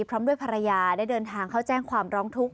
พร้อมด้วยภรรยาได้เดินทางเข้าแจ้งความร้องทุกข